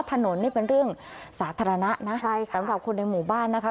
ถนนนี่เป็นเรื่องสาธารณะนะสำหรับคนในหมู่บ้านนะคะใช่ค่ะ